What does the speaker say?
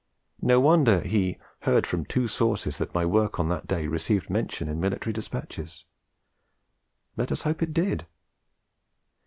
No wonder he 'heard from two sources that my work on that day received mention in military dispatches.' Let us hope it did.